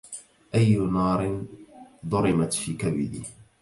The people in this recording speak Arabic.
أي نار ضرمت في كبدي